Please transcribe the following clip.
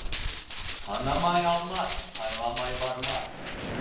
Һанамай алма, һайламай барма.